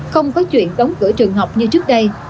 không có chuyện đóng cửa trường học như trước đây